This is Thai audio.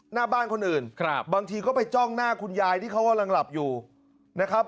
หน้าบ้านคนอื่นครับบางทีก็ไปจ้องหน้าคุณยายที่เขากำลังหลับอยู่นะครับ